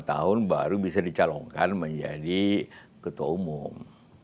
lima tahun baru bisa dicalonkan menjadi ketua umum